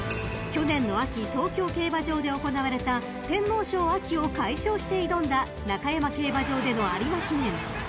［去年の秋東京競馬場で行われた天皇賞を快勝して挑んだ中山競馬場での有馬記念］